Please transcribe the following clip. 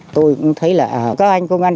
tôi cũng thấy là các anh công an